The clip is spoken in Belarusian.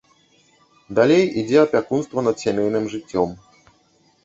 Далей ідзе апякунства над сямейным жыццём.